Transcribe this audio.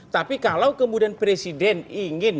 tapi kalau kemudian presiden ingin